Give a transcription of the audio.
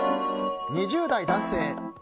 ２０代男性